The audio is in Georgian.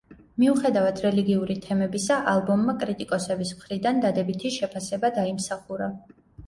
მიუხედავად რელიგიური თემებისა, ალბომმა კრიტიკოსების მხრიდან დადებითი შეფასება დაიმსახურა.